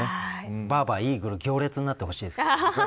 バーバーイーグル行列になってほしいですね。